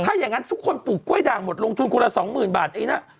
ถ้าอย่างนั้นทุกคนปลูกกล้วยด่างหมดลงทุนคนละสองหมื่นบาทเองนะ